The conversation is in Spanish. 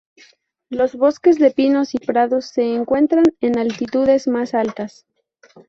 Los Bosques de pinos y prados se encuentran en altitudes más altas.